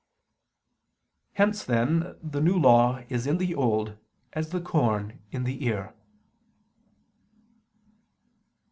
Hence then the New Law is in the Old as the corn in the ear.